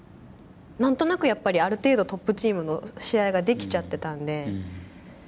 何となくやっぱりある程度トップチームの試合ができちゃってたんで。